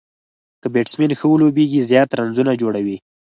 که بيټسمېن ښه ولوبېږي، زیات رنزونه جوړوي.